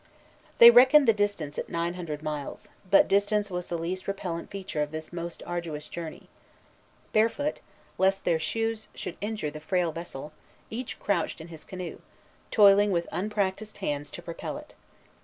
They reckoned the distance at nine hundred miles; but distance was the least repellent feature of this most arduous journey. Barefoot, lest their shoes should injure the frail vessel, each crouched in his canoe, toiling with unpractised hands to propel it.